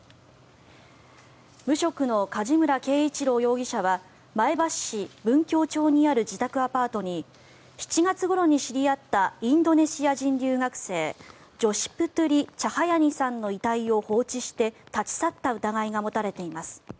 無職の梶村圭一郎容疑者は前橋市文京町にある自宅アパートに７月ごろに知り合ったインドネシア人留学生ジョシ・プトゥリ・チャハヤニさんの遺体を放置して立ち去った疑いが持たれています。